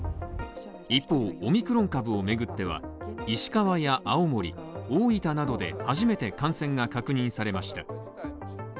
一方、オミクロン株をめぐっては、石川や青森、大分などで初めて感染が確認されました。